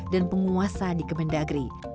dan penguasa di kemendagri